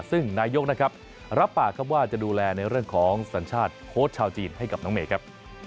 ซึ่งนายกนะครับรับปากครับว่าจะดูแลในเรื่องของสัญชาติโค้ชชาวจีนให้กับน้องเมย์ครับ